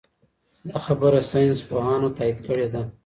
دا خبره ساینس پوهانو تایید کړې ده.